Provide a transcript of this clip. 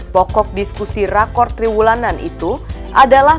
pokok diskusi rakor triwulanan itu adalah